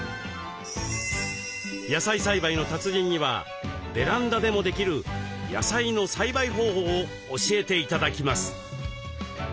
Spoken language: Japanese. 野菜栽培の達人にはベランダでもできる野菜の栽培方法を教えて頂きます。